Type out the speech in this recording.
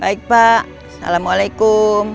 baik pak assalamualaikum